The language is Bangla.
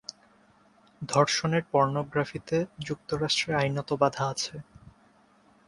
ধর্ষণের পর্নোগ্রাফিতে যুক্তরাষ্ট্রে আইনত বাধা আছে।